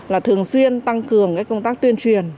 là thường xuyên tăng cường cái công tác tuyên truyền